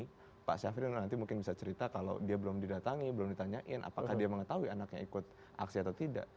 tapi pak syafri nanti mungkin bisa cerita kalau dia belum didatangi belum ditanyain apakah dia mengetahui anaknya ikut aksi atau tidak